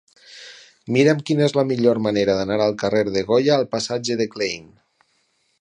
Mira'm quina és la millor manera d'anar del carrer de Goya al passatge de Klein.